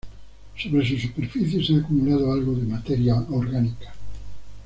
Sobre su superficie se ha acumulado algo de materia orgánica.